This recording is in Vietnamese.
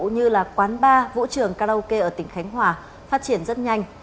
như quán bar vũ trường karaoke ở tỉnh khánh hòa phát triển rất nhanh